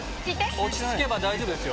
落ち着けば大丈夫ですよ。